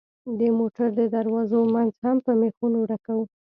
د موټر د دروازو منځ هم په مېخونو ډکوو.